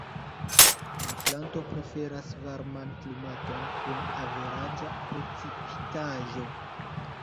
La planto preferas varman klimaton kun averaĝa precipitaĵo.